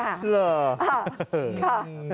อ่าค่ะ